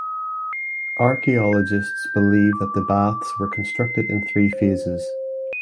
Archaeologists believe that the baths were constructed in three phases.